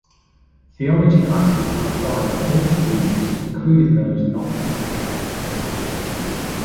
Theology classes are required for all students, including those not of the Catholic faith.